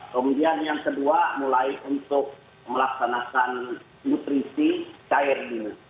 kemudian yang kedua mulai untuk melaksanakan nutrisi cair dulu